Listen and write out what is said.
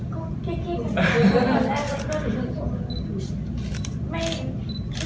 คืนแรกให้พาสมส่งละไม่มีช่วย